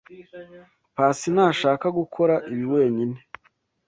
Pacy ntashaka gukora ibi wenyine.